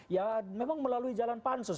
ya memang melalui jalan pansus